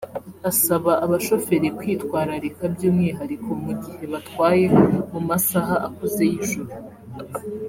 asaba abashoferi kwitwararika by’umwihariko mu gihe batwaye mu masaha akuze y’ijoro